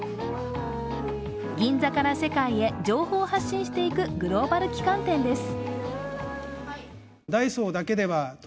銀座から世界へ情報を発信していくグローバル旗艦店です。